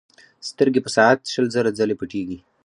سترګې په ساعت شل زره ځلې پټېږي.